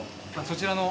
そちらの。